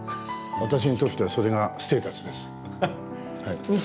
私にとってはそれがステータスです。